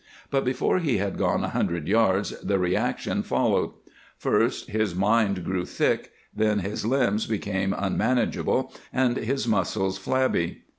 But before he had gone a hundred yards the reaction followed. First his mind grew thick, then his limbs became unmanageable and his muscles flabby.